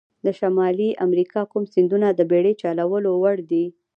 د شمالي امریکا کوم سیندونه د بېړۍ چلولو وړ دي؟